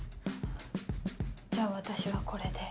じゃあ私はこれで。